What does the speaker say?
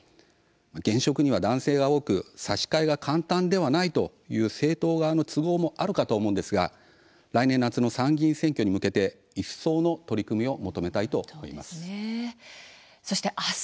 現職には男性が多く、差し替えが簡単ではないという政党側の都合もあるかとは思いますが来年の参議院選挙に向けて一層の取り組みを求めたいと思います。